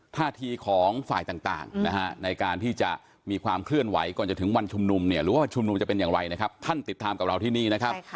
ท่าทีของฝ่ายต่างนะฮะในการที่จะมีความเคลื่อนไหวก่อนจะถึงวันชุมนุมเนี่ยหรือว่าชุมนุมจะเป็นอย่างไรนะครับท่านติดตามกับเราที่นี่นะครับ